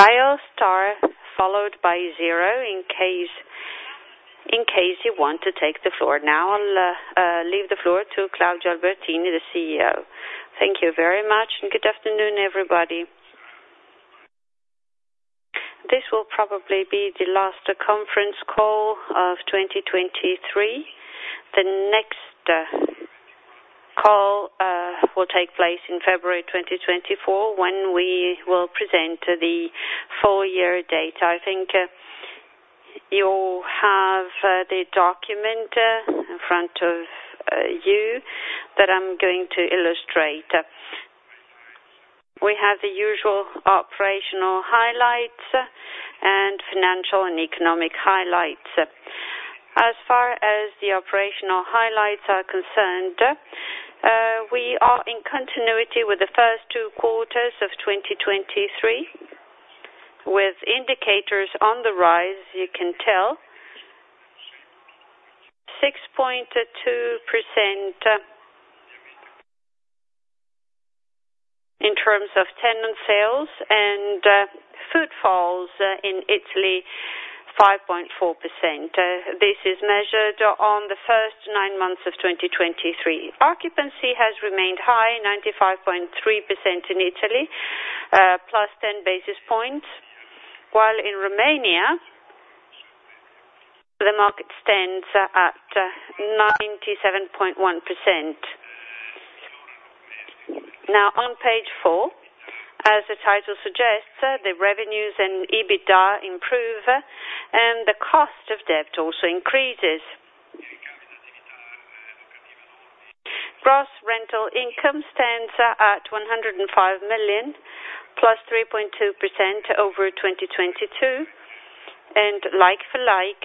Dial star followed by zero in case, in case you want to take the floor. Now, I'll leave the floor to Claudio Albertini, the CEO. Thank you very much, and good afternoon, everybody. This will probably be the last conference call of 2023. The next call will take place in February 2024, when we will present the full year data. I think you'll have the document in front of you, that I'm going to illustrate. We have the usual operational highlights and financial and economic highlights. As far as the operational highlights are concerned, we are in continuity with the first two quarters of 2023, with indicators on the rise, you can tell. 6.2% in terms of tenant sales and footfalls in Italy, 5.4%. This is measured on the first nine months of 2023. Occupancy has remained high, 95.3% in Italy, +10 basis points, while in Romania, the market stands at 97.1%. Now, on page four, as the title suggests, the revenues and EBITDA improve, and the cost of debt also increases. Gross rental income stands at 105 million, +3.2% over 2022, and like for like,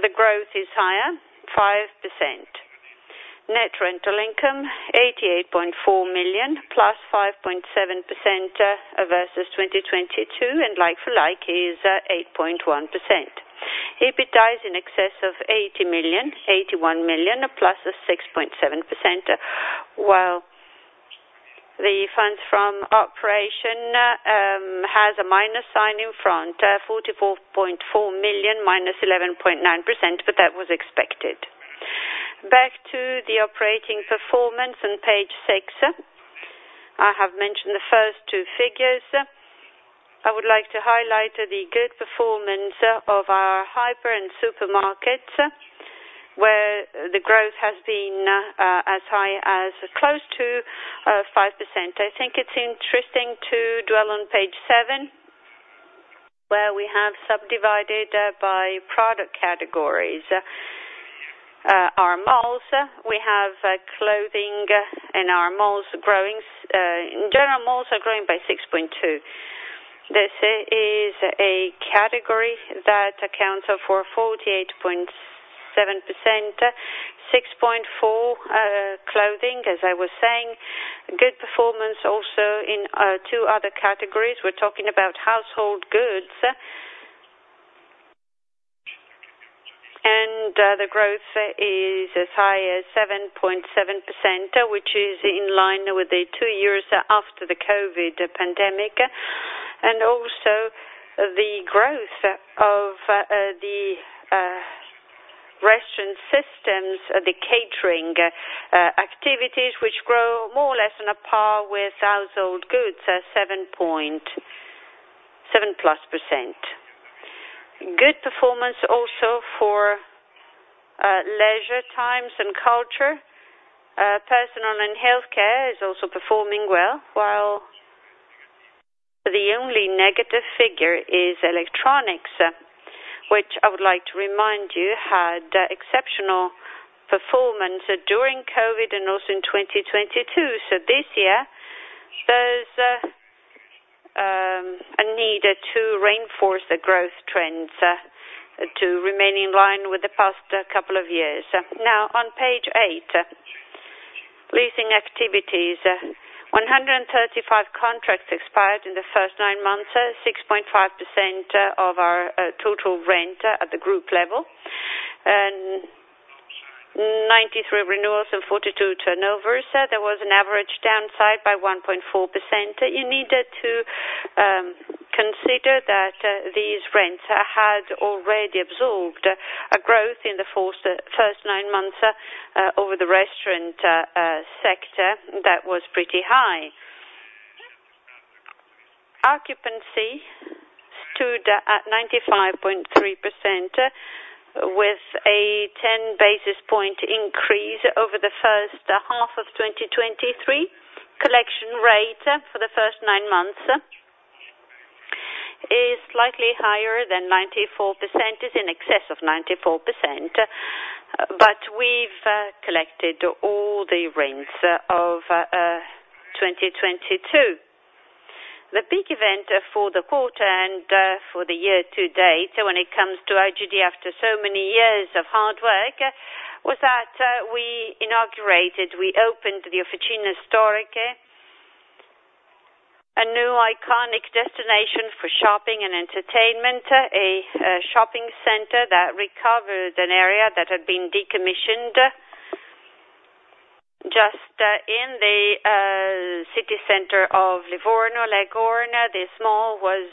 the growth is higher, 5%. Net rental income, 88.4 million, +5.7% versus 2022, and like for like, is 8.1%. EBITDA is in excess of 80 million, 81 million, +6.7%, while the funds from operations has a minus sign in front, 44.4 million, -11.9%, but that was expected. Back to the operating performance on page six. I have mentioned the first two figures. I would like to highlight the good performance of our hypermarkets and supermarkets, where the growth has been as high as close to 5%. I think it's interesting to dwell on page 7, where we have subdivided by product categories. Our malls, we have clothing in our malls growing. In general, malls are growing by 6.2. This is a category that accounts for 48.7%, 6.4, clothing, as I was saying. Good performance also in two other categories. We're talking about household goods, and the growth is as high as 7.7%, which is in line with the two years after the COVID pandemic, and also the growth of the restaurant systems, the catering activities, which grow more or less on a par with household goods, at 7.7%+. Good performance also for leisure times and culture. Personal and healthcare is also performing well, while the only negative figure is electronics, which I would like to remind you had exceptional performance during COVID and also in 2022. So this year, there's a need to reinforce the growth trends to remain in line with the past couple of years. Now, on page 8, leasing activities. 135 contracts expired in the first nine months, 6.5% of our total rent at the group level, and 93 renewals and 42 turnovers. There was an average downside by 1.4%. You needed to consider that these rents had already absorbed a growth in the first nine months over the restaurant sector. That was pretty high. Occupancy stood at 95.3%, with a 10 basis point increase over the first half of 2023. Collection rate for the first nine months is slightly higher than 94%, is in excess of 94%, but we've collected all the rents of 2022. The big event for the quarter and, for the year to date, when it comes to IGD, after so many years of hard work, was that, we inaugurated, we opened the Officine Storiche. A new iconic destination for shopping and entertainment, a shopping center that recovered an area that had been decommissioned just, in the, city center of Livorno, Leghorn. This mall was,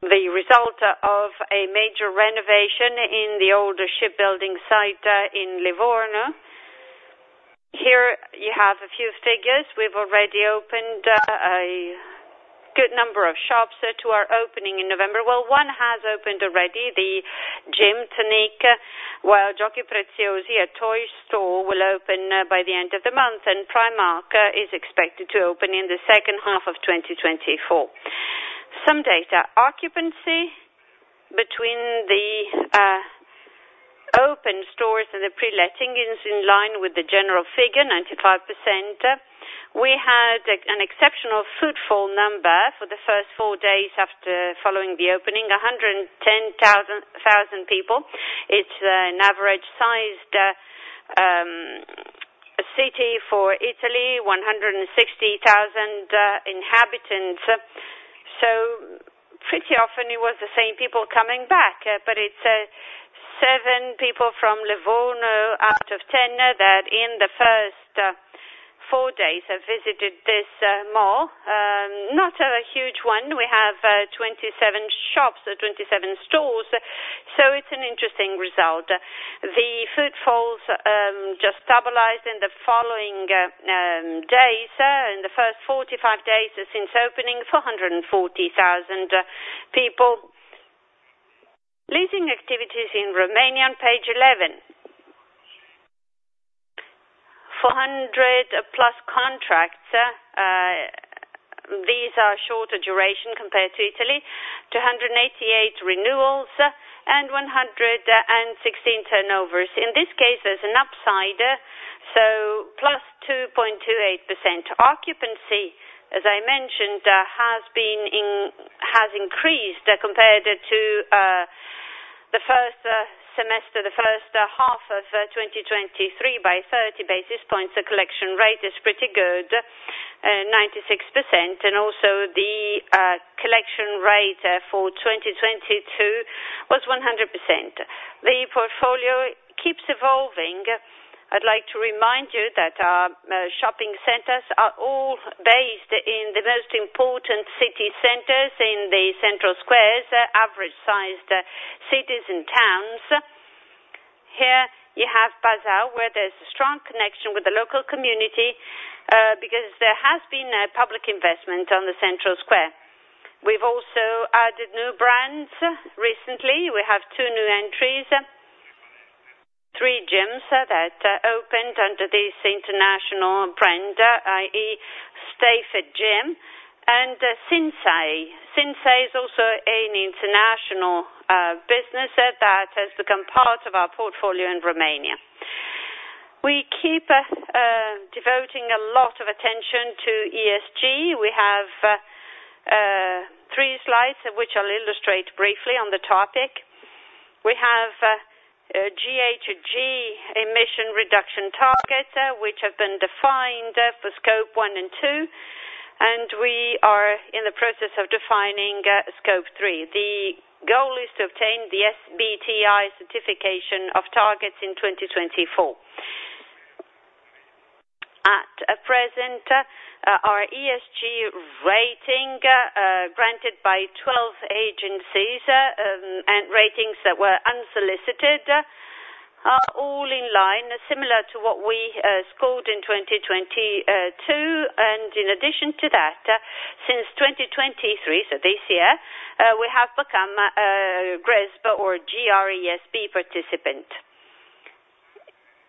the result of a major renovation in the older shipbuilding site, in Livorno. Here you have a few figures. We've already opened, a good number of shops that were opening in November. Well, one has opened already, the Tonic. While Giochi Preziosi, a toy store, will open, by the end of the month, and Primark is expected to open in the second half of 2024. Some data. Occupancy between the open stores and the pre-letting is in line with the general figure, 95%. We had an exceptional footfall number for the first four days after the opening, 110,000 people. It's an average sized city for Italy, 160,000 inhabitants. So pretty often it was the same people coming back, but it's seven people from Livorno out of ten, that in the first four days have visited this mall. Not a huge one. We have 27 shops, 27 stores, so it's an interesting result. The footfalls just stabilized in the following days. In the first 45 days since opening, 440,000 people. Leasing activities in Romania on page 11. 400+ contracts, these are shorter duration compared to Italy, 288 renewals, and 116 turnovers. In this case, there's an upside, so +2.28%. Occupancy, as I mentioned, has increased compared to the first semester, the first half of 2023 by 30 basis points. The collection rate is pretty good, 96%, and also the collection rate for 2022 was 100%. The portfolio keeps evolving. I'd like to remind you that our shopping centers are all based in the most important city centers, in the central squares, average sized cities and towns. Here you have Buzău, where there's a strong connection with the local community, because there has been a public investment on the central square. We've also added new brands recently. We have two new entries, three gyms that opened under this international brand, i.e., Stay Fit Gym and Sinsay. Sinsay is also an international business that has become part of our portfolio in Romania. We keep devoting a lot of attention to ESG. We have three slides, which I'll illustrate briefly on the topic. We have GHG emission reduction targets which have been defined for Scope 1 and 2, and we are in the process of defining Scope 3. The goal is to obtain the SBTi certification of targets in 2024. At present, our ESG rating granted by 12 agencies, and ratings that were unsolicited, are all in line, similar to what we scored in 2022. In addition to that, since 2023, so this year, we have become GRESB or G-R-E-S-B participant.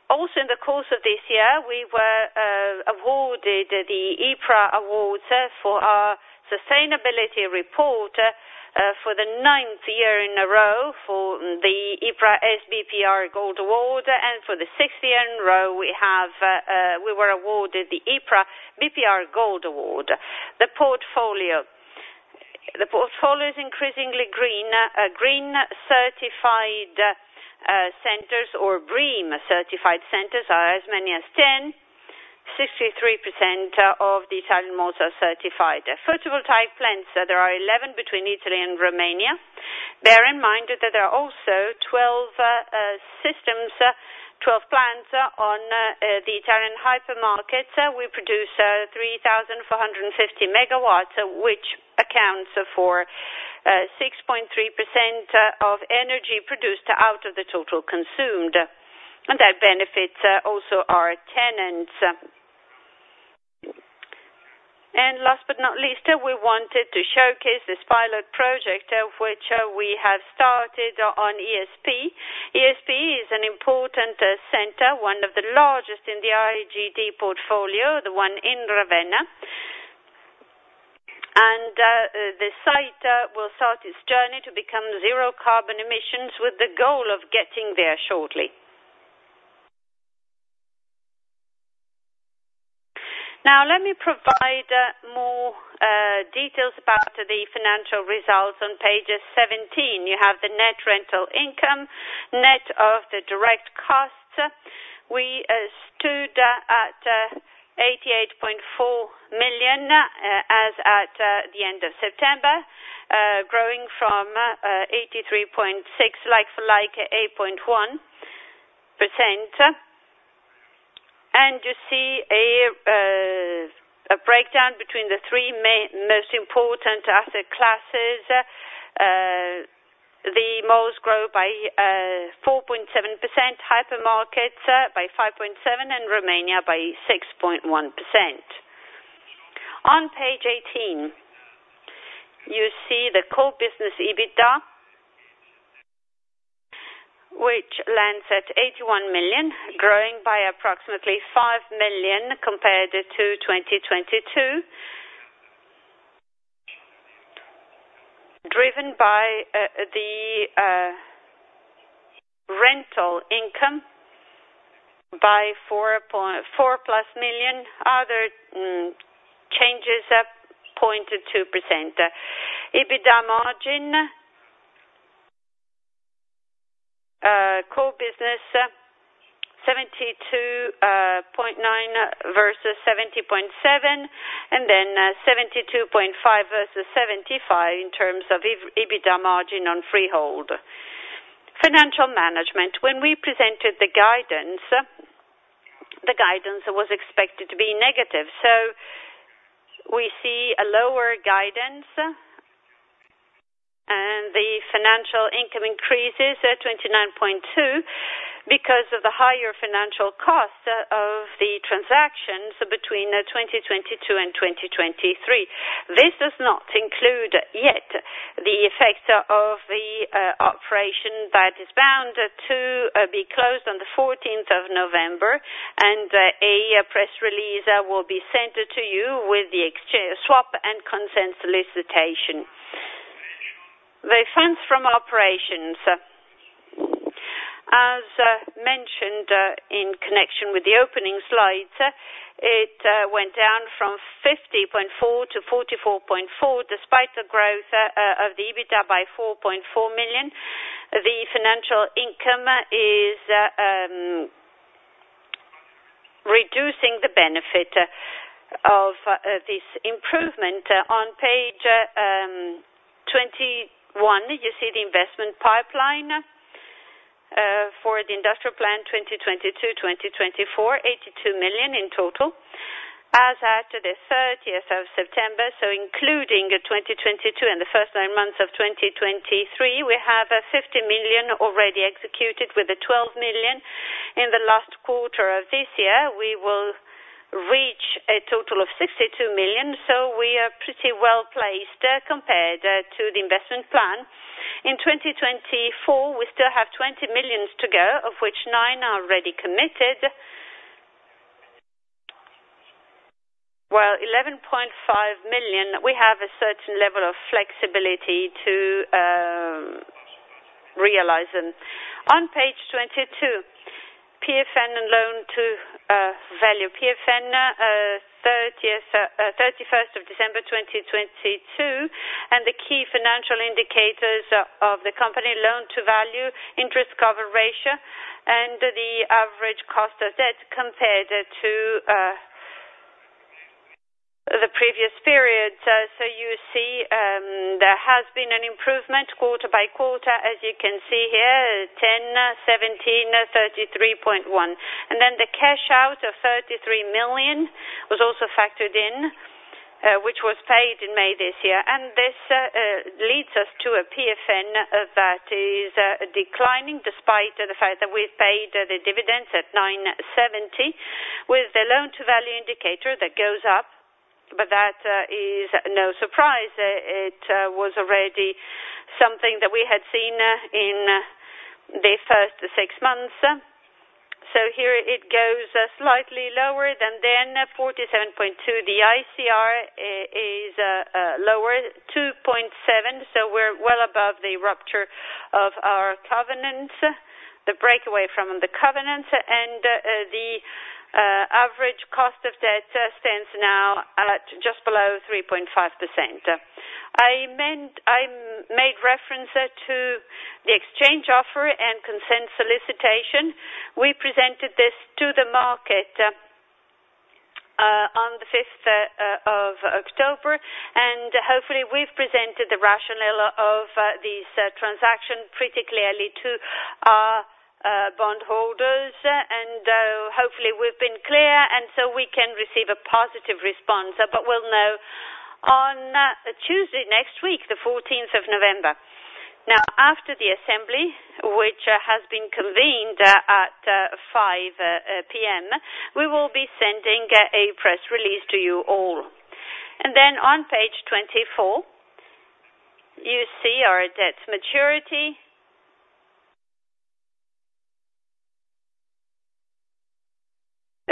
Also, in the course of this year, we were awarded the EPRA awards for our sustainability report, for the ninth year in a row for the EPRA sBPR Gold Award, and for the sixth year in a row, we were awarded the EPRA BPR Gold Award. The portfolio. The portfolio is increasingly green. Green certified centers or BREEAM certified centers are as many as 10, 63% of the Italian malls are certified. Photovoltaic plants, there are 11 between Italy and Romania. Bear in mind that there are also 12 systems, 12 plants on the Italian hypermarket. We produce 3,450 MWh, which accounts for 6.3% of energy produced out of the total consumed, and that benefits also our tenants. Last but not least, we wanted to showcase this pilot project, of which we have started on ESP. ESP is an important center, one of the largest in the IGD portfolio, the one in Ravenna. The site will start its journey to become zero carbon emissions, with the goal of getting there shortly. Now, let me provide more details about the financial results on page 17. You have the net rental income, net of the direct costs. We stood at 88.4 million, as at the end of September, growing from 83.6 million, like-for-like 8.1%. You see a breakdown between the three most important asset classes. The malls grow by 4.7%, hypermarkets by 5.7%, and Romania by 6.1%. On page 18, you see the core business EBITDA, which lands at 81 million, growing by approximately 5 million compared to 2022. Driven by the rental income by EUR 4+ million. Other changes are 0.2%. EBITDA margin core business 72.9% versus 70.7%, and then 72.5% versus 75% in terms of EBITDA margin on freehold. Financial management. When we presented the guidance, the guidance was expected to be negative. So we see a lower guidance, and the financial income increases at 29.2 million because of the higher financial cost of the transactions between 2022 and 2023. This does not include, yet, the effect of the operation that is bound to be closed on the fourteenth of November, and a press release will be sent to you with the exchange swap and consent solicitation. The funds from operations. As mentioned in connection with the opening slides, it went down from 50.4 million to 44.4 million, despite the growth of the EBITDA by 4.4 million. The financial income is reducing the benefit of this improvement. On page 21, you see the investment pipeline for the industrial plan, 2022-2024, 82 million in total. As at the 30th of September, so including 2022 and the first 9 months of 2023, we have 50 million already executed with 12 million. In the last quarter of this year, we will reach a total of 62 million, so we are pretty well placed compared to the investment plan. In 2024, we still have 20 millions to go, of which 9 are already committed. Well, 11.5 million, we have a certain level of flexibility to realize them. On page 22, PFN and loan-to-value. Net Financial Position (PFN) as of 31 December 2022, and the key financial indicators of the company, loan-to-value, interest cover ratio, and the average cost of debt compared to the previous period. So you see, there has been an improvement quarter by quarter, as you can see here, 10, 17, 33.1. Then the cash out of 33 million was also factored in, which was paid in May this year. And this leads us to a PFN that is declining, despite the fact that we paid the dividends at 0.0970, with the loan to value indicator that goes up. But that is no surprise. It was already something that we had seen in the first six months. So here it goes slightly lower, and then 47.2. The ICR is lower, 2.7, so we're well above the rupture of our covenants, the breakaway from the covenants, and the average cost of debt stands now at just below 3.5%. I meant - I made reference to the exchange offer and consent solicitation. We presented this to the market on the fifth of October, and hopefully, we've presented the rationale of this transaction pretty clearly to our bondholders. And hopefully, we've been clear, and so we can receive a positive response, but we'll know on Tuesday next week, the fourteenth of November. Now, after the assembly, which has been convened at 5 P.M., we will be sending a press release to you all. And then on page 24, you see our debt maturity.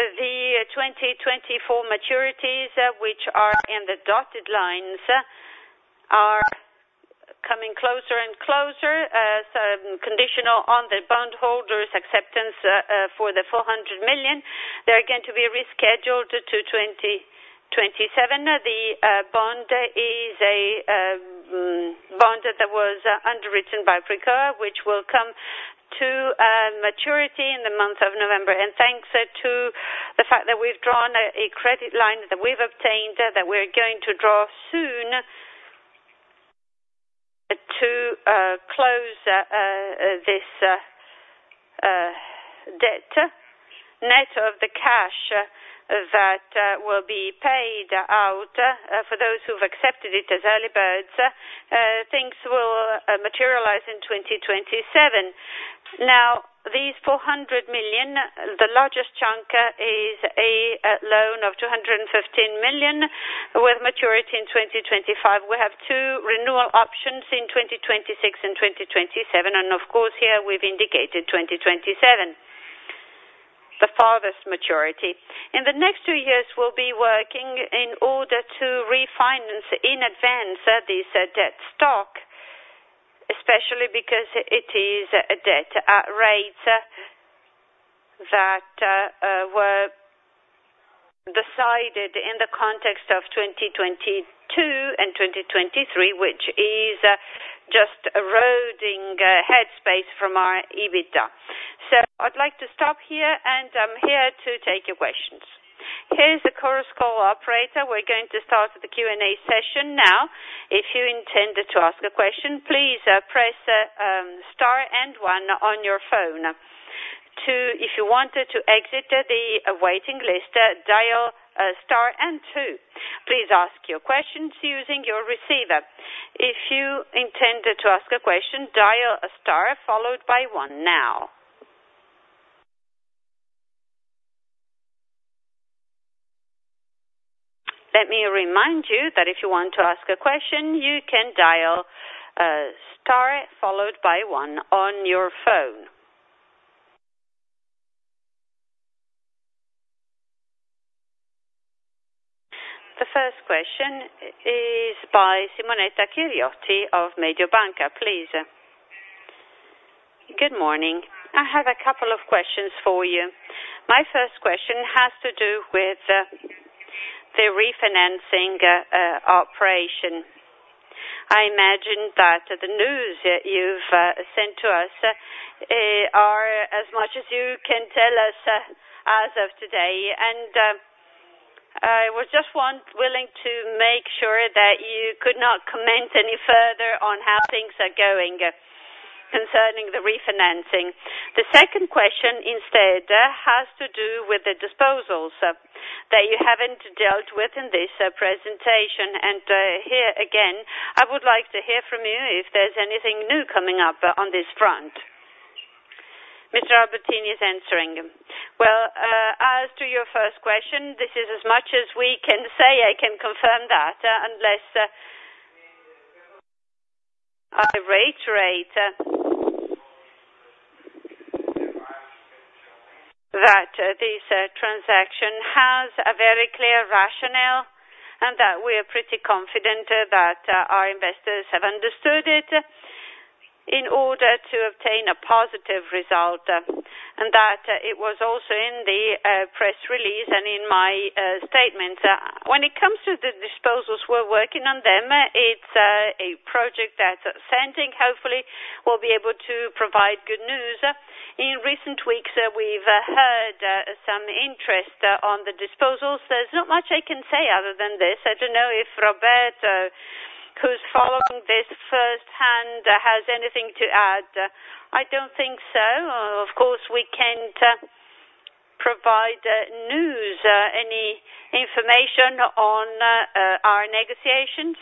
The 2024 maturities, which are in the dotted lines, are coming closer and closer, so conditional on the bondholders acceptance for the 400 million, they are going to be rescheduled to 2027. The bond is a bond that was underwritten by Pricoa, which will come to maturity in the month of November. And thanks to the fact that we've drawn a credit line that we've obtained, that we're going to draw soon to close this debt. Net of the cash that will be paid out for those who've accepted it as early birds, things will materialize in 2027. Now, these 400 million, the largest chunk is a loan of 215 million, with maturity in 2025. We have two renewal options in 2026 and 2027. And of course, here we've indicated 2027, the farthest maturity. In the next two years, we'll be working in order to refinance in advance this debt stock, especially because it is a debt at rates that were decided in the context of 2022 and 2023, which is just eroding headspace from our EBITDA. So I'd like to stop here, and I'm here to take your questions. Here's the Chorus Call operator. We're going to start the Q&A session now. If you intend to ask a question, please press star and one on your phone. If you want to exit the waiting list, dial star and two. Please ask your questions using your receiver. If you intend to ask a question, dial star, followed by one now. Let me remind you that if you want to ask a question, you can dial star, followed by one on your phone. The first question is by Simonetta Chiriotti of Mediobanca. Please. Good morning. I have a couple of questions for you. My first question has to do with the refinancing operation. I imagine that the news that you've sent to us are as much as you can tell us as of today, and I was just willing to make sure that you could not comment any further on how things are going concerning the refinancing. The second question, instead, has to do with the disposals that you haven't dealt with in this presentation. And here again, I would like to hear from you if there's anything new coming up on this front. Mr. Albertini is answering. Well, as to your first question, this is as much as we can say. I can confirm that, unless I reiterate that this transaction has a very clear rationale and that we are pretty confident that our investors have understood it in order to obtain a positive result, and that it was also in the press release and in my statement. When it comes to the disposals, we're working on them. It's a project that's ascending. Hopefully, we'll be able to provide good news. In recent weeks, we've heard some interest on the disposals. There's not much I can say other than this. I don't know if Roberto, who's following this firsthand, has anything to add. I don't think so. Of course, we can't provide news, any information on our negotiations.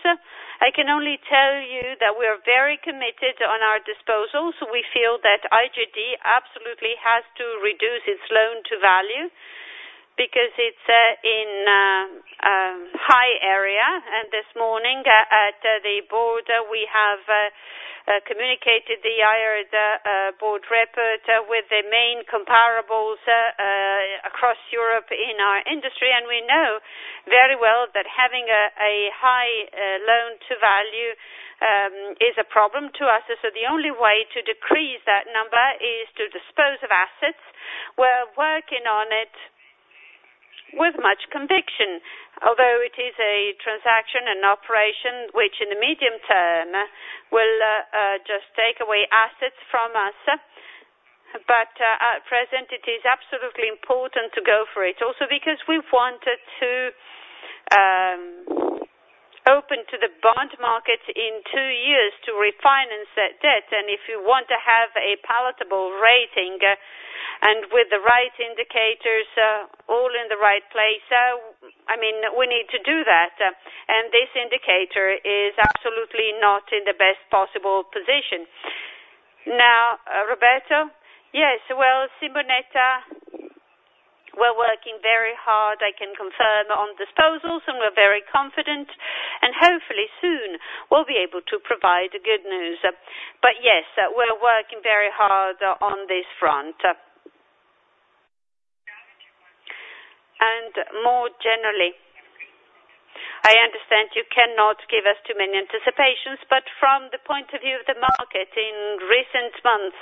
I can only tell you that we are very committed on our disposals. We feel that IGD absolutely has to reduce its Loan to Value because it's in a high area. This morning, at the board, we have communicated the IR board report with the main comparables across Europe in our industry. We know very well that having a high Loan to Value is a problem to us. So the only way to decrease that number is to dispose of assets. We're working on it with much conviction, although it is a transaction and operation, which in the medium term, will just take away assets from us. At present, it is absolutely important to go for it. Also because we've wanted to open to the bond market in two years to refinance that debt. And if you want to have a palatable rating and with the right indicators, all in the right place, I mean, we need to do that, and this indicator is absolutely not in the best possible position. Now, Roberto? Yes, well, Simonetta, we're working very hard, I can confirm, on disposals, and we're very confident, and hopefully soon we'll be able to provide good news. But yes, we're working very hard on this front. And more generally, I understand you cannot give us too many anticipations, but from the point of view of the market in recent months,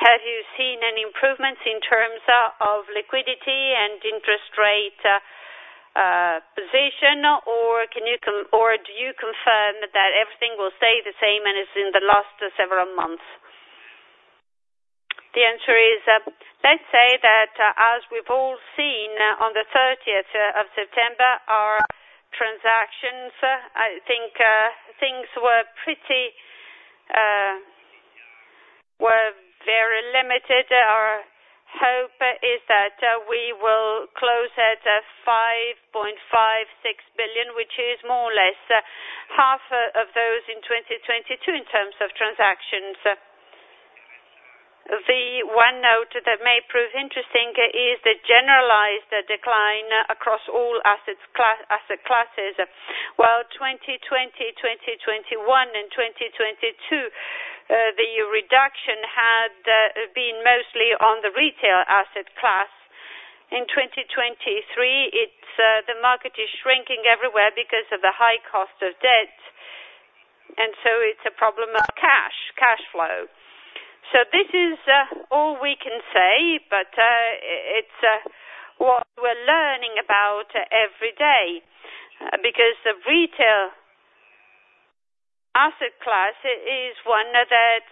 have you seen any improvements in terms of, of liquidity and interest rate position, or can you confirm or do you confirm that everything will stay the same and as in the last several months? The answer is, let's say that as we've all seen on the 30 September, our transactions, I think, things were pretty, were very limited. Our hope is that we will close at 5.5–6.0 billion, which is more or less half of those in 2022 in terms of transactions. The one note that may prove interesting is the generalized decline across all asset classes. While 2020, 2021 and 2022, the reduction had been mostly on the retail asset class. In 2023, it's the market is shrinking everywhere because of the high cost of debt, and so it's a problem of cash flow. So this is all we can say, but it's what we're learning about every day, because the retail asset class is one that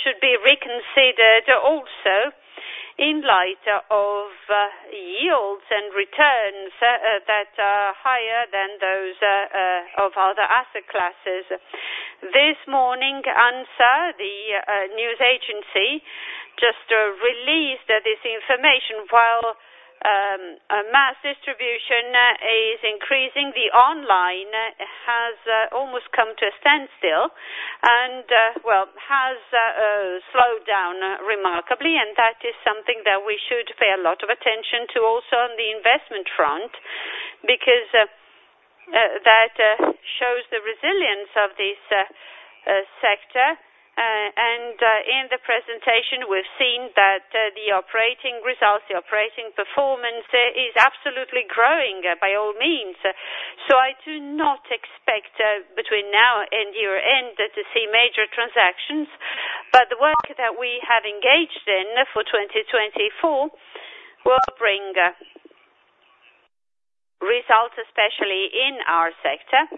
should be reconsidered also in light of yields and returns that are higher than those of other asset classes. This morning, ANSA, the news agency, just released this information, while a mass distribution is increasing, the online has almost come to a standstill and well has slowed down remarkably, and that is something that we should pay a lot of attention to also on the investment front, because that shows the resilience of this sector. And in the presentation, we've seen that the operating results, the operating performance is absolutely growing by all means. So I do not expect, between now and year-end to see major transactions, but the work that we have engaged in for 2024 will bring, results, especially in our sector.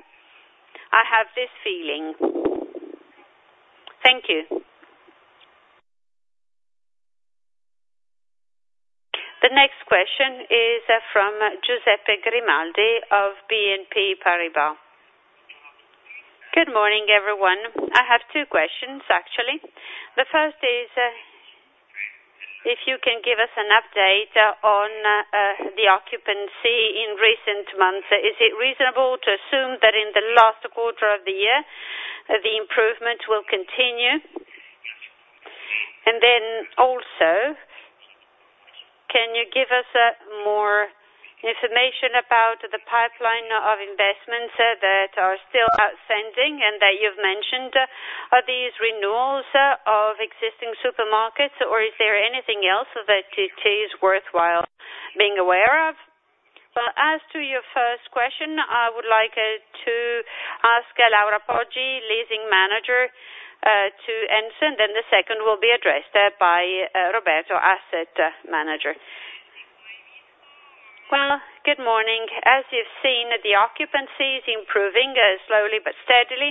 I have this feeling. Thank you. The next question is from Giuseppe Grimaldi of BNP Paribas. Good morning, everyone. I have two questions, actually. The first is, if you can give us an update on, the occupancy in recent months. Is it reasonable to assume that in the last quarter of the year, the improvement will continue? And then also, can you give us, more information about the pipeline of investments that are still outstanding and that you've mentioned? Are these renewals of existing supermarkets, or is there anything else that it is worthwhile being aware of? Well, as to your first question, I would like to ask Laura Poggi, leasing manager, to answer, and then the second will be addressed by Roberto, asset manager. Well, good morning. As you've seen, the occupancy is improving slowly but steadily.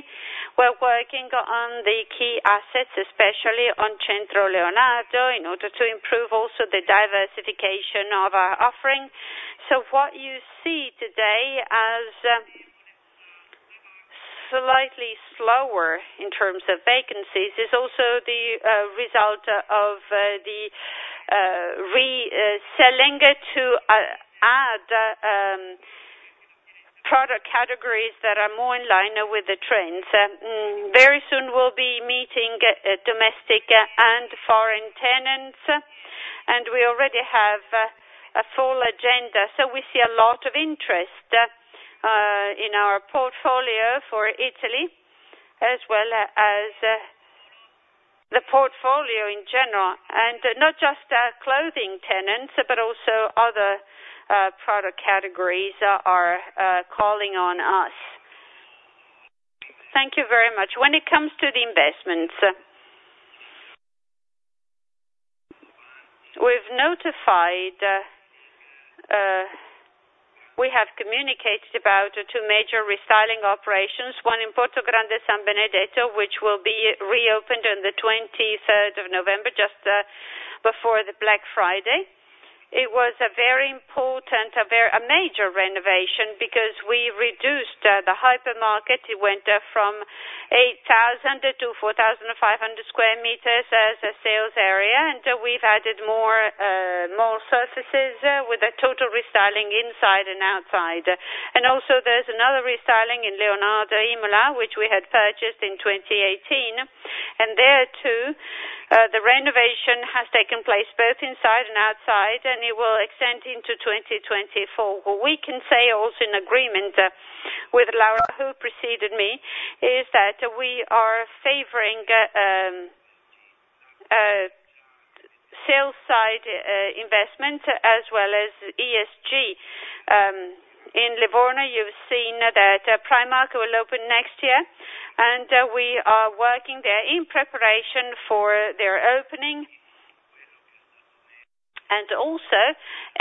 We're working on the key assets, especially on Centro Leonardo, in order to improve also the diversification of our offering. So what you see today as slightly slower in terms of vacancies is also the result of the re-leasing to add product categories that are more in line with the trends. Very soon, we'll be meeting domestic and foreign tenants, and we already have a full agenda. So we see a lot of interest in our portfolio for Italy, as well as the portfolio in general. Not just our clothing tenants, but also other product categories are calling on us. Thank you very much. When it comes to the investments, we've notified, we have communicated about two major restyling operations, one in Portogrande, San Benedetto, which will be reopened on the 23rd of November, just before the Black Friday. It was a very important, a very, a major renovation because we reduced the hypermarket. It went from 8,000 to 4,500 square meters as a sales area, and we've added more, more surfaces with a total restyling inside and outside. And also, there's another restyling in Leonardo Imola, which we had purchased in 2018, and there, too, the renovation has taken place both inside and outside, and it will extend into 2024. What we can say also in agreement-... With Laura, who preceded me, is that we are favoring sales side investment as well as ESG. In Livorno, you've seen that Primark will open next year, and we are working there in preparation for their opening. And also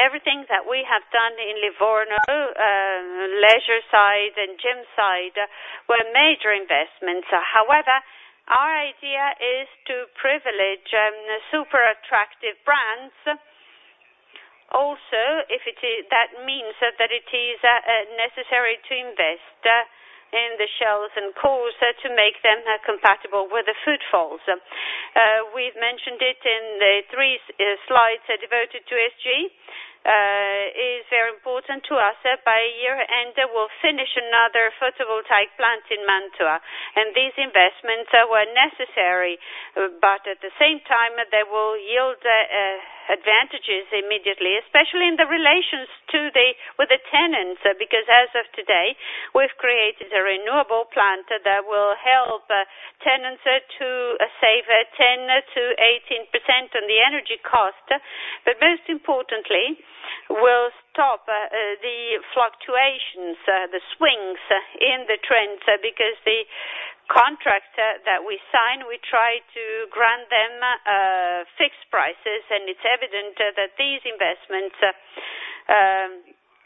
everything that we have done in Livorno, leisure side and gym side, were major investments. However, our idea is to privilege super attractive brands. Also, if it is, that means that it is necessary to invest in the shelves and cores to make them compatible with the footfalls. We've mentioned it in the three slides devoted to SG. It's very important to us that by year-end, we'll finish another photovoltaic plant in Mantua, and these investments were necessary, but at the same time, they will yield advantages immediately, especially in the relations to the with the tenants. Because as of today, we've created a renewable plant that will help tenants to save 10%–18% on the energy cost, but most importantly, will stop the fluctuations, the swings in the trend, because the contract that we sign, we try to grant them fixed prices, and it's evident that these investments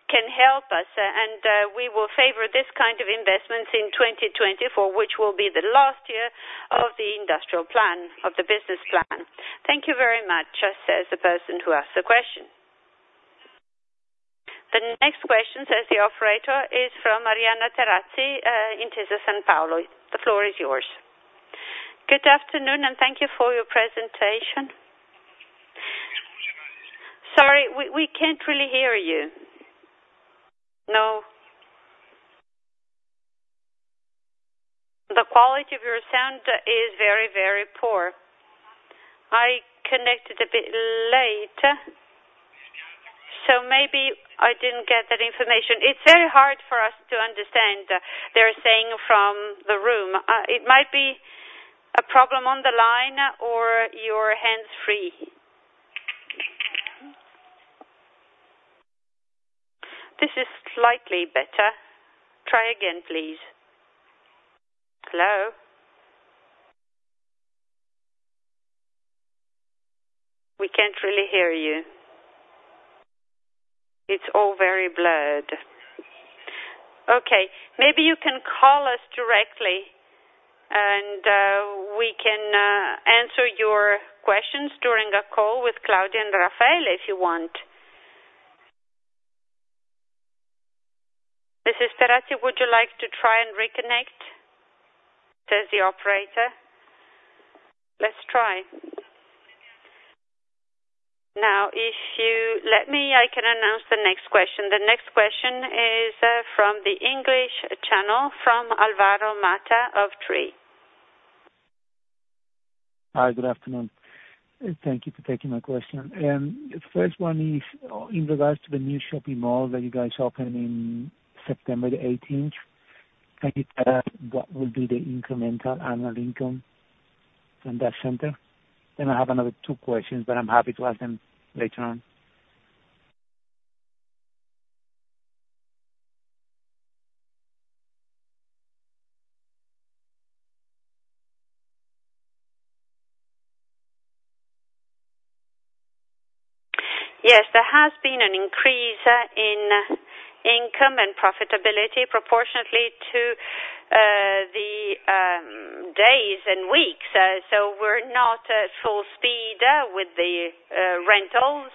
can help us, and we will favor this kind of investments in 2024, which will be the last year of the industrial plan, of the business plan. Thank you very much, says the person who asked the question. The next question, says the operator, is from Arianna Terrazzi, Intesa Sanpaolo. The floor is yours. Good afternoon, and thank you for your presentation. Sorry, we, we can't really hear you. No. The quality of your sound is very, very poor. I connected a bit late, so maybe I didn't get that information. It's very hard for us to understand, they're saying, from the room. It might be a problem on the line or your hands-free. This is slightly better. Try again, please. Hello? We can't really hear you. It's all very blurred. Okay, maybe you can call us directly, and we can answer your questions during a call with Claudia and Raffaele, if you want. Mrs. Terrazzi, would you like to try and reconnect? Says the operator. Let's try. Now, if you let me, I can announce the next question. The next question is from the English channel from Alvaro Mata of Trea. Hi, good afternoon. Thank you for taking my question. The first one is, in regards to the new shopping mall that you guys opened in September 18th, can you tell us what will be the incremental annual income from that center? Then I have another two questions, but I'm happy to ask them later on. Yes, there has been an increase in income and profitability proportionately to the days and weeks. So we're not at full speed with the rentals,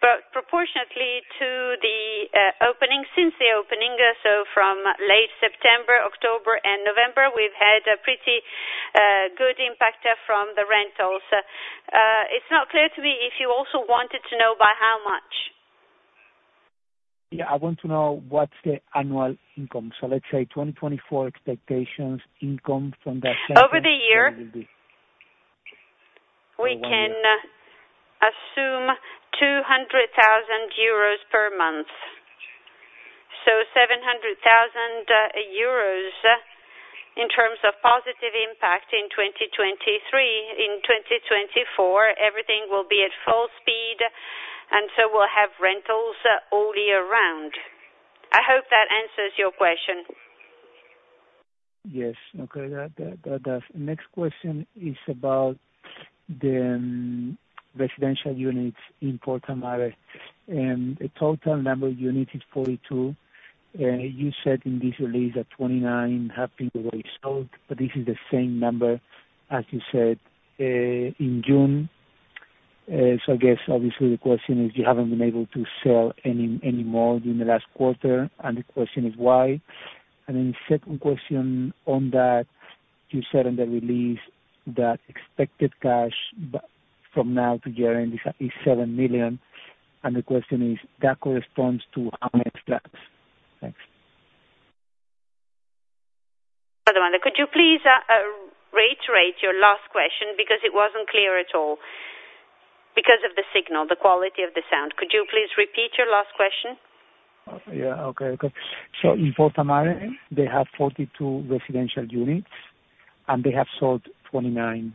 but proportionately to the opening, since the opening, so from late September, October and November, we've had a pretty good impact from the rentals. It's not clear to me if you also wanted to know by how much. Yeah, I want to know what's the annual income. So let's say 2024 expectations, income from that center- Over the year, we can assume 200,000 euros per month. So 700,000 euros in terms of positive impact in 2023. In 2024, everything will be at full speed, and so we'll have rentals all year round. I hope that answers your question. Yes, okay, that, that does. Next question is about the residential units in Porta a Mare, and the total number of units is 42. You said in this release that 29 have been already sold, but this is the same number as you said in June. So I guess obviously the question is, you haven't been able to sell any, any more during the last quarter, and the question is why? And then second question on that, you said in the release that expected cash from now to year-end is 7 million, and the question is, that corresponds to how many flats? Thanks.... Could you please reiterate your last question? Because it wasn't clear at all. Because of the signal, the quality of the sound. Could you please repeat your last question? Yeah. Okay, good. So in Porta a Mare, they have 42 residential units, and they have sold 29.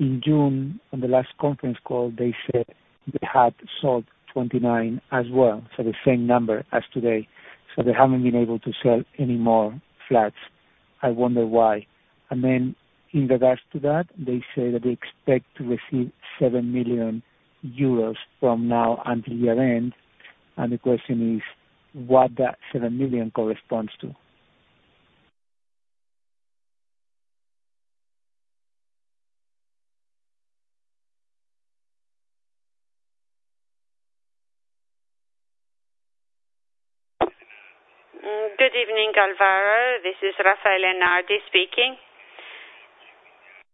In June, on the last conference call, they said they had sold 29 as well, so the same number as today, so they haven't been able to sell any more flats. I wonder why. And then in regards to that, they say that they expect to receive 7 million euros from now until year-end, and the question is, what that 7 million corresponds to? Good evening, Alvaro. This is Raffaele Nardi speaking.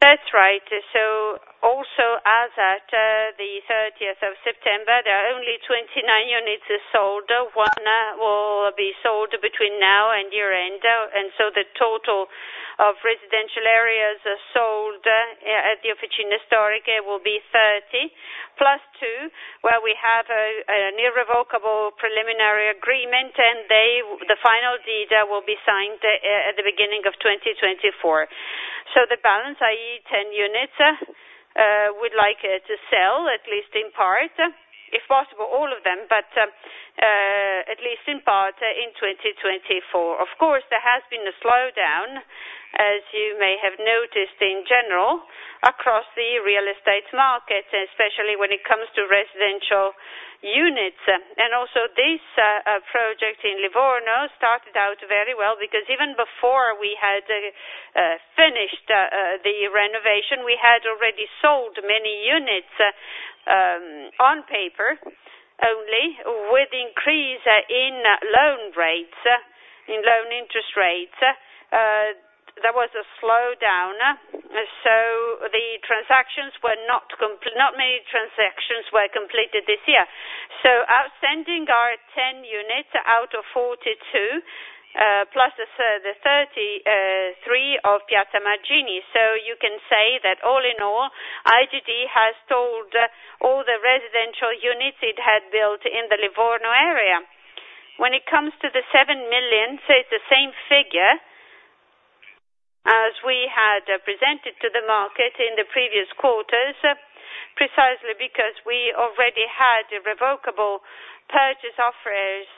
That's right. So also as at the 30th of September, there are only 29 units sold. One will be sold between now and year-end, and so the total of residential areas sold at the Officine Storiche will be 30, plus two, where we have an irrevocable preliminary agreement, and the final deed will be signed at the beginning of 2024. So the balance, i.e., 10 units, we'd like to sell, at least in part, if possible, all of them, but at least in part, in 2024. Of course, there has been a slowdown, as you may have noticed, in general, across the real estate market, especially when it comes to residential units. And also this project in Livorno started out very well because even before we had finished the renovation, we had already sold many units on paper only. With increase in loan rates, in loan interest rates, there was a slowdown, so the transactions were not many transactions were completed this year. So outstanding are 10 units out of 42, plus the 33 of Piazza Mazzini. So you can say that all in all, IGD has sold all the residential units it had built in the Livorno area. When it comes to the 7 million, so it's the same figure as we had presented to the market in the previous quarters, precisely because we already had irrevocable purchase offers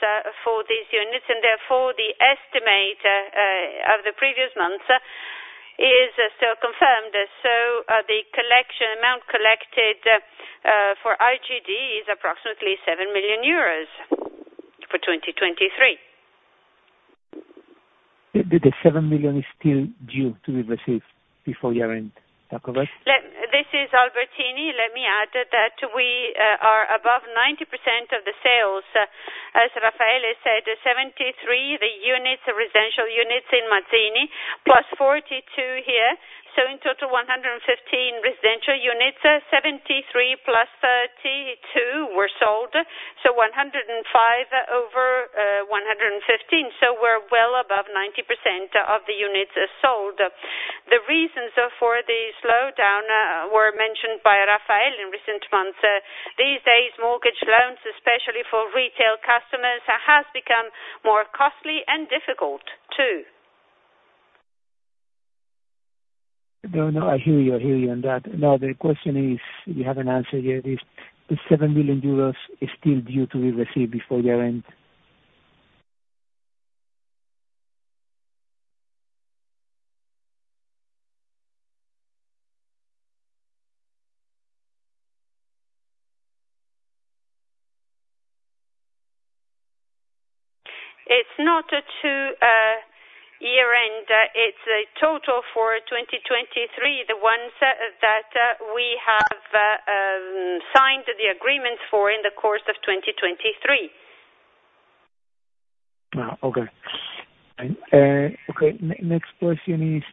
for these units, and therefore, the estimate of the previous months is still confirmed. So, the collection, amount collected, for IGD is approximately 7 million euros for 2023. The 7 million is still due to be received before year-end, talk about? This is Albertini. Let me add that we are above 90% of the sales. As Raffaele said, 73, the units, residential units in Mazzini, plus 42 here, so in total 115 residential units. 73 plus 32 were sold, so 105 over 115. So we're well above 90% of the units sold. The reasons for the slowdown were mentioned by Raffaele in recent months. These days, mortgage loans, especially for retail customers, has become more costly and difficult, too. No, no, I hear you, I hear you on that. Now, the question is, you haven't answered yet, is the 7 million euros still due to be received before year-end? It's not to year-end. It's a total for 2023, the ones that we have signed the agreements for in the course of 2023. Okay. And okay, next question is,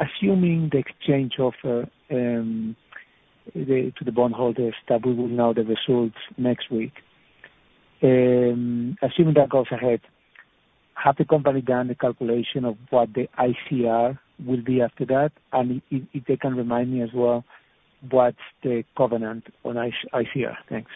assuming the exchange offer to the bondholders, that we will know the results next week, assuming that goes ahead, have the company done the calculation of what the ICR will be after that? And if they can remind me as well, what's the covenant on ICR? Thanks.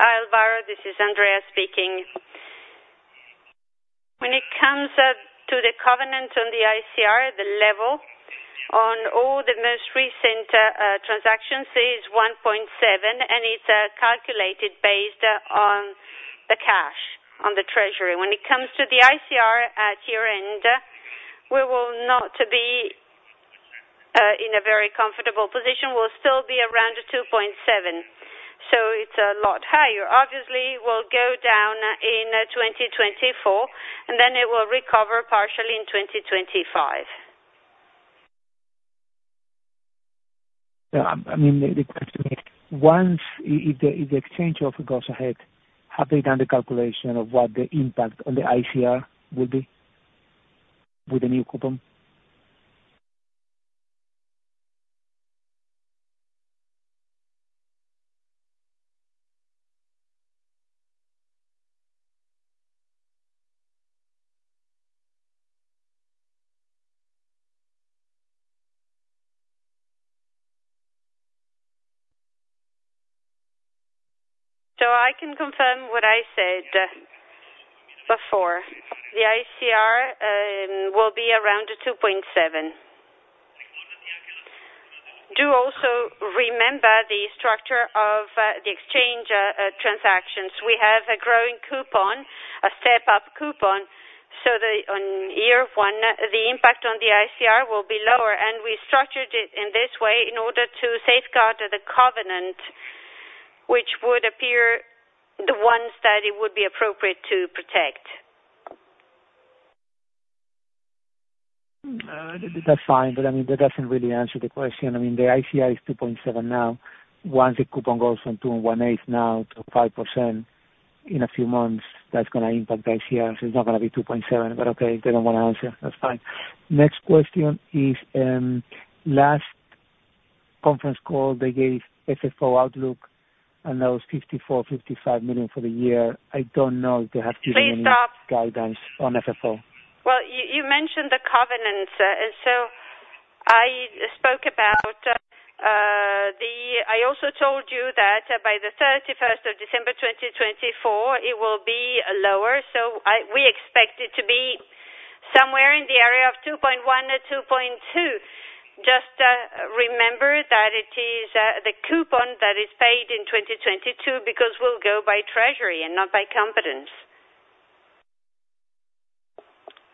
Hi, Alvaro, this is Andrea speaking. When it comes to the covenant on the ICR, the level on all the most recent transactions is 1.7, and it's calculated based on the cash, on the treasury. When it comes to the ICR at year-end, we will not be in a very comfortable position. We'll still be around 2.7, so it's a lot higher. Obviously, we'll go down in 2024, and then it will recover partially in 2025. Yeah, I mean, the question is, if the exchange offer goes ahead, have they done the calculation of what the impact on the ICR will be?... So I can confirm what I said before. The ICR will be around 2.7. Do also remember the structure of the exchange transactions. We have a growing coupon, a step up coupon, so the on year one, the impact on the ICR will be lower, and we structured it in this way in order to safeguard the covenant, which would appear the ones that it would be appropriate to protect. That's fine, but, I mean, that doesn't really answer the question. I mean, the ICR is 2.7 now. Once the coupon goes from 2.125% now to 5% in a few months, that's gonna impact the ICR. So it's not gonna be 2.7, but okay, they don't want to answer. That's fine. Next question is, last conference call, they gave FFO outlook, and that was 54-55 million for the year. I don't know if they have given any- Please stop. Guidance on FFO. Well, you, you mentioned the covenants, and so I spoke about, I also told you that by the 31st of December 2024, it will be lower. So we expect it to be somewhere in the area of 2.1 or 2.2. Just, remember that it is, the coupon that is paid in 2022, because we'll go by treasury and not by competence.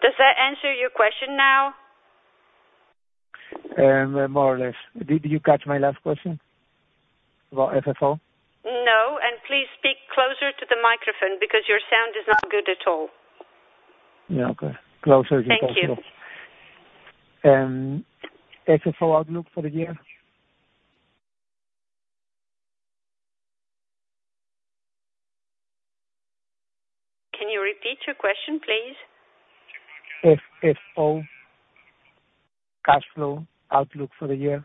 Does that answer your question now? More or less. Did you catch my last question about FFO? No, and please speak closer to the microphone because your sound is not good at all. Yeah, okay. Closer is possible. Thank you. FFO outlook for the year? Can you repeat your question, please? FFO cash flow outlook for the year.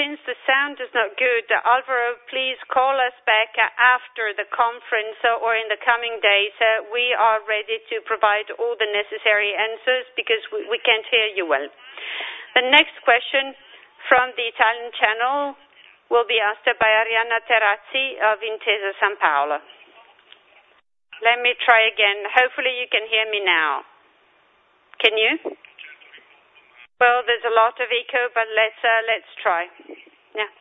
Since the sound is not good, Alvaro, please call us back after the conference or in the coming days. We are ready to provide all the necessary answers because we, we can't hear you well. The next question from the Italian channel will be asked by Arianna Terrazzi of Intesa Sanpaolo. Let me try again. Hopefully, you can hear me now. Can you? Well, there's a lot of echo, but let's, let's try. Yeah.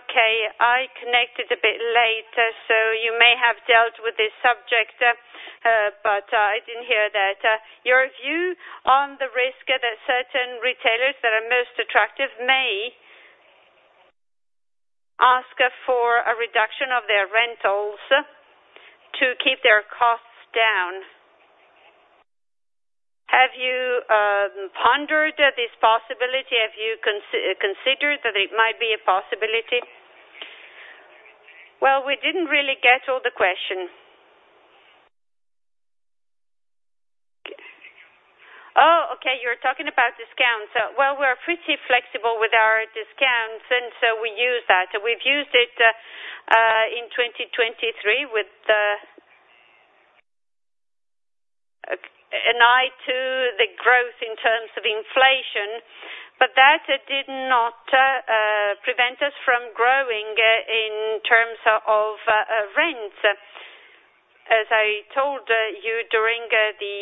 Okay, I connected a bit late, so you may have dealt with this subject, but, I didn't hear that. Your view on the risk that certain retailers that are most attractive may ask for a reduction of their rentals to keep their costs down. Have you, pondered this possibility? Have you considered that it might be a possibility? Well, we didn't really get all the question. Oh, okay, you're talking about discounts. Well, we're pretty flexible with our discounts, and so we use that. We've used it in 2023 with an eye to the growth in terms of inflation, but that did not prevent us from growing in terms of rent. As I told you during the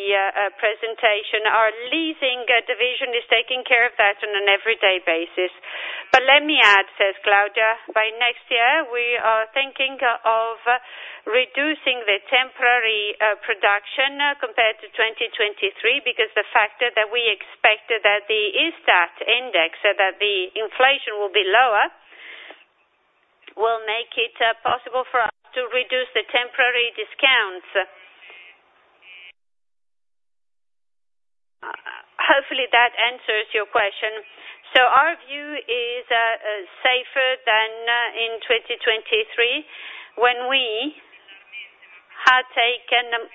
presentation, our leasing division is taking care of that on an everyday basis. But let me add, says Claudia, by next year, we are thinking of reducing the reduce temporary rent concessions compared to 2023, because the fact that we expect that the ISTAT index, so that the inflation will be lower, will make it possible for us to reduce the temporary discounts. Hopefully, that answers your question. So our view is, safer than in 2023, when we had taken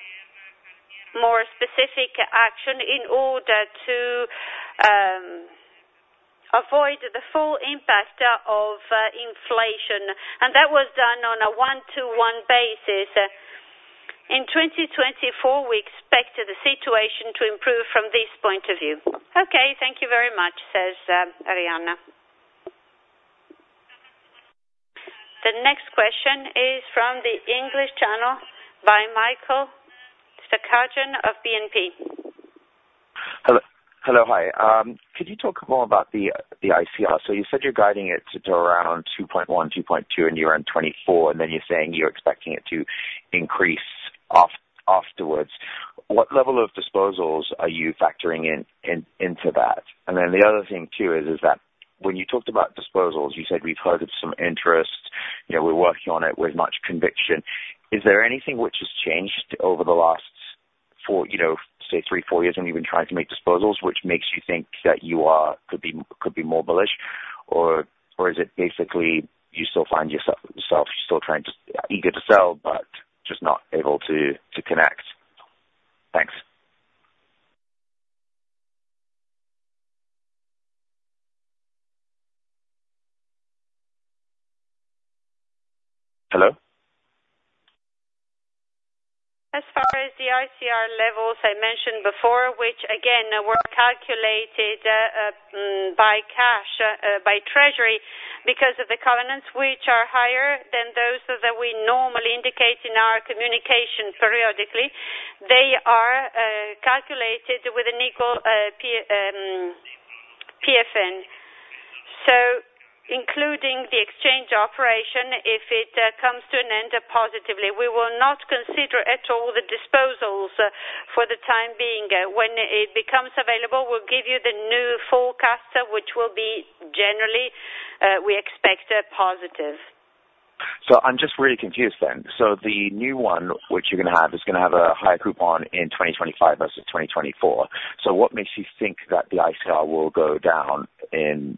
more specific action in order to, avoid the full impact of inflation, and that was done on a 1-to-1 basis. In 2024, we expect the situation to improve from this point of view. Okay, thank you very much, says, Arianna. The next question is from the English Channel by Michael Tsagkajian of BNP. Hello. Hello, hi. Could you talk more about the ICR? So you said you're guiding it to around 2.1–2.2x, and you're in 2024, and then you're saying you're expecting it to increase afterwards. What level of disposals are you factoring into that? And then the other thing, too, is that when you talked about disposals, you said we've heard of some interest.... Yeah, we're working on it with much conviction. Is there anything which has changed over the last 4, you know, say, 3-4 years when you've been trying to make disposals, which makes you think that you could be more bullish? Or is it basically you still find yourself still trying to eager to sell, but just not able to connect? Thanks. Hello? As far as the ICR levels I mentioned before, which again, were calculated by cash by treasury, because of the covenants which are higher than those that we normally indicate in our communication periodically, they are calculated with an equal P PFN. So including the exchange operation, if it comes to an end positively, we will not consider at all the disposals for the time being. When it becomes available, we'll give you the new forecast, which will be generally we expect positive. So I'm just really confused then. So the new one, which you're gonna have, is gonna have a higher coupon in 2025 versus 2024. So what makes you think that the ICR will go down in the,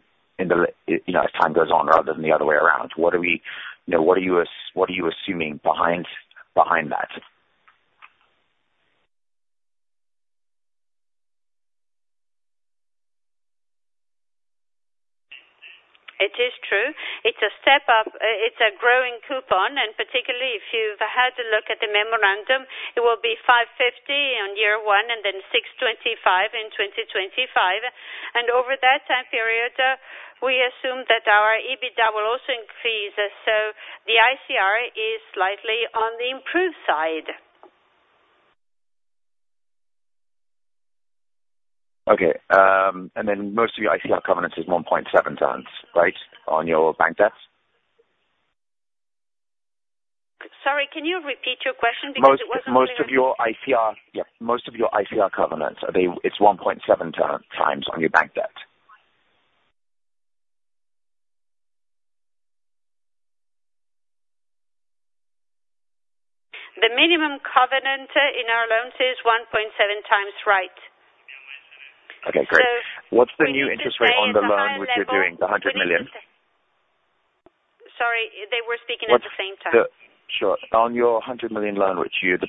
you know, as time goes on rather than the other way around? You know, what are you assuming behind that? It is true. It's a step up. It's a growing coupon, and particularly if you've had a look at the memorandum, it will be 5.50 on year 1 and then 6.25 in 2025. Over that time period, we assume that our EBITDA will also increase, so the ICR is slightly on the improved side. Okay. And then most of your ICR covenants is 1.7 times, right, on your bank debts? Sorry, can you repeat your question because it was a little- Most of your ICR, yeah, most of your ICR covenants, are they... It's 1.7 times on your bank debt. The minimum covenant in our loans is 1.7 times, right? Okay, great. So- What's the new interest rate on the loan, which you're doing, 100 million? Sorry, they were speaking at the same time. Sure. On your 100 million loan, which you've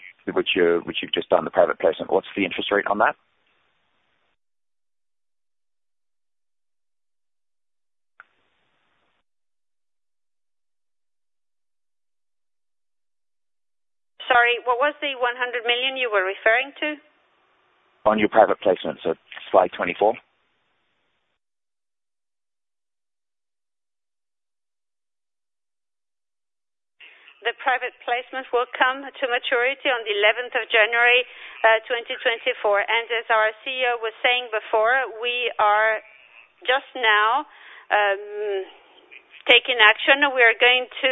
just done the private placement, what's the interest rate on that? Sorry, what was the 100 million you were referring to? On your private placement, so slide 24. The private placement will come to maturity on the eleventh of January 2024. And as our CEO was saying before, we are just now taking action. We are going to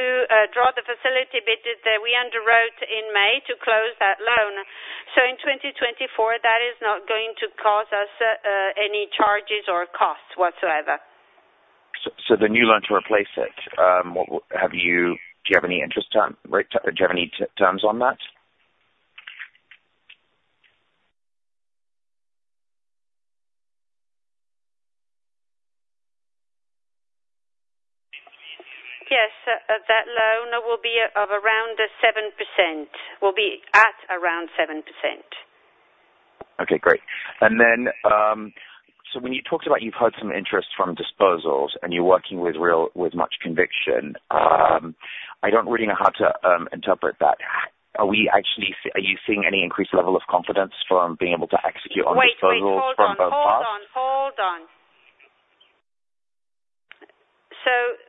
draw the facility that we underwrote in May to close that loan. So in 2024, that is not going to cause us any charges or costs whatsoever. The new loan to replace it, what have you, do you have any interest term, right? Do you have any terms on that? Yes, that loan will be of around 7%. Will be at around 7%. Okay, great. And then, so when you talked about you've had some interest from disposals and you're working with much conviction, I don't really know how to interpret that. Are we actually... Are you seeing any increased level of confidence from being able to execute on disposals from the past? Wait, wait, hold on. Hold on, hold on. So...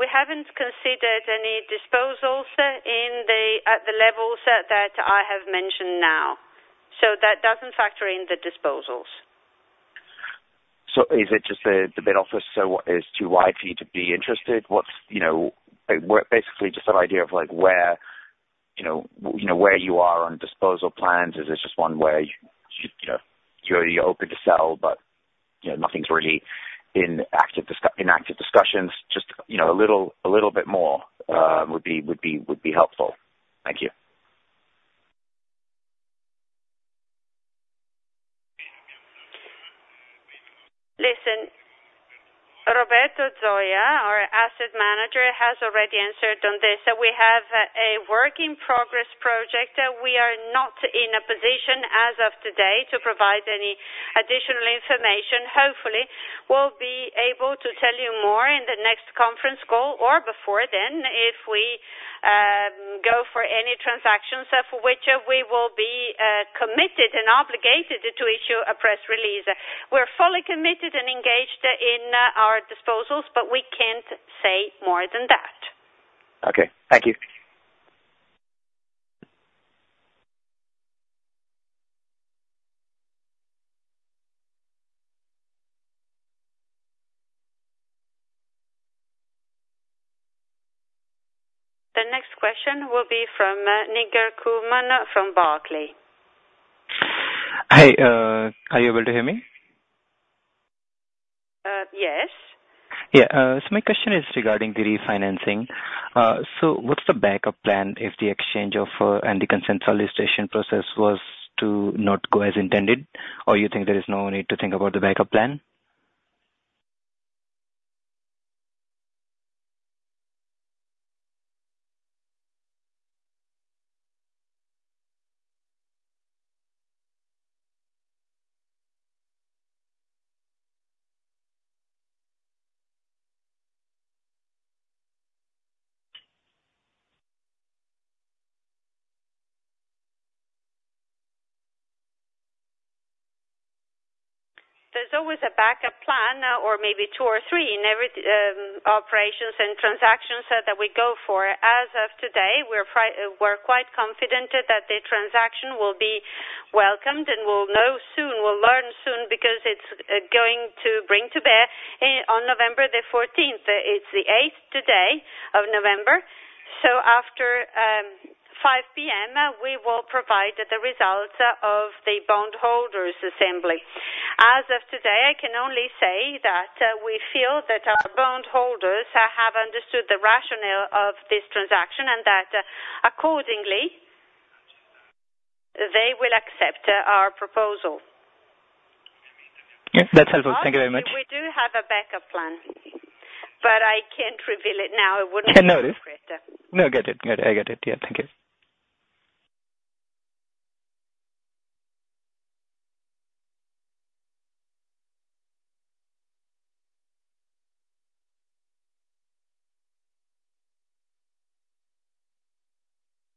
We haven't considered any disposals in the, at the levels that I have mentioned now. So that doesn't factor in the disposals. So is it just the bid office so is too wide for you to be interested? What's, you know, basically just an idea of like where you are on disposal plans. Is this just one way, you know, you're open to sell, but, you know, nothing's really in active discussions, just, you know, a little bit more would be helpful. Thank you. Listen, Roberto Zoia, our asset manager, has already answered on this. So we have a work in progress project. We are not in a position, as of today, to provide any additional information. Hopefully, we'll be able to tell you more in the next conference call or before then, if we go for any transactions for which we will be committed and obligated to issue a press release. We're fully committed and engaged in our disposals, but we can't say more than that. Okay. Thank you. The next question will be from Nigar Kuzuman from Barclays. Hi, are you able to hear me? Uh, yes. Yeah, so my question is regarding the refinancing. So what's the backup plan if the exchange of, and the consent solicitation process was to not go as intended, or you think there is no need to think about the backup plan? There's always a backup plan, or maybe two or three, in every operations and transactions that we go for. As of today, we're quite confident that the transaction will be welcomed and we'll know soon, we'll learn soon, because it's going to bring to bear on November the fourteenth. It's the eighth today of November. So after 5 P.M., we will provide the results of the bondholders assembly. As of today, I can only say that we feel that our bondholders have understood the rationale of this transaction and that, accordingly, they will accept our proposal. Yes, that's helpful. Thank you very much. We do have a backup plan, but I can't reveal it now. I wouldn't- No. No, I get it. I get it. Yeah. Thank you.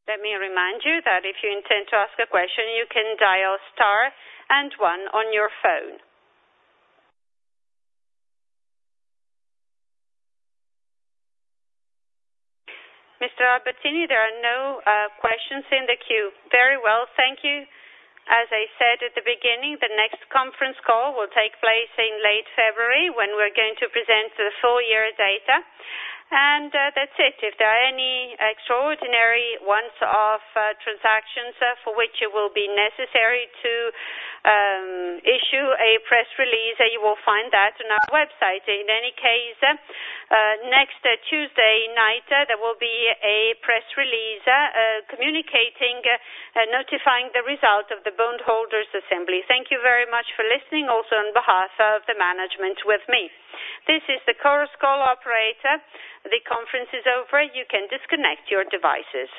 Let me remind you that if you intend to ask a question, you can dial star and one on your phone. Mr. Albertini, there are no questions in the queue. Very well. Thank you. As I said at the beginning, the next conference call will take place in late February, when we're going to present the full year data. And that's it. If there are any extraordinary once-off transactions for which it will be necessary to issue a press release, you will find that on our website. In any case, next Tuesday night, there will be a press release communicating, notifying the result of the bondholders assembly. Thank you very much for listening, also on behalf of the management with me. This is the Chorus Call operator. The conference is over. You can disconnect your devices.